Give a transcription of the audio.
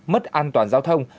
mất an toàn giao thông